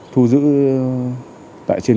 thu giữ tại trên